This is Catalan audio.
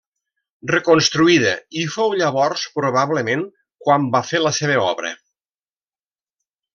Reconstruïda i fou llavors probablement quan va fer la seva obra.